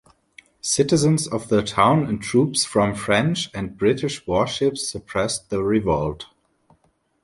Citizens of the town and troops from French and British warships suppressed the revolt.